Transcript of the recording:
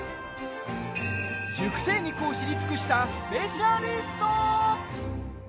熟成肉を知り尽くしたスペシャリスト。